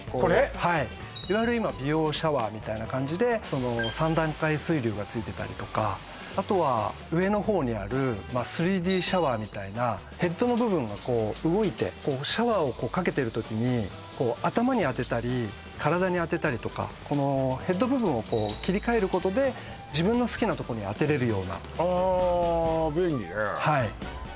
はいいわゆる今美容シャワーみたいな感じで３段階水流がついてたりとかあとは上の方にある３Ｄシャワーみたいなヘッドの部分がこう動いてシャワーをかけてる時に頭に当てたり体に当てたりとかこのヘッド部分をこう切り替えることで自分の好きなとこに当てれるようなああ